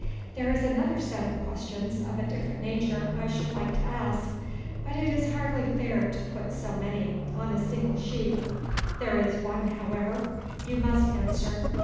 There is another set of questions of a different nature I should like to ask, but it is hardly fair to put so many on a single sheet. There is one, however, you must answer.